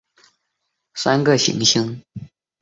三个行星都具有相当发达的科技。